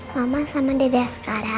mama sama dede askarah istirahat dulu aja